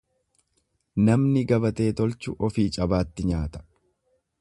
Namni gabatee tolchu ofii cabaatti nyaata.